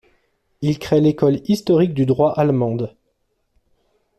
Il crée l'école historique du droit allemande.